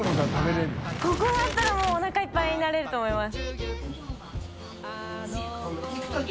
ここだったらもうおなかいっぱいになれると思います。